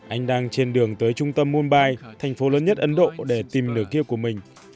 anh đang trên đường tới trung tâm mumbai thành phố lớn nhất ấn độ để tìm lửa kia của mình